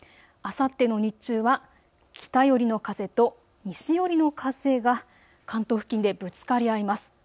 あさっての日中は、北寄りの風と西寄りの風が関東付近でぶつかり合います。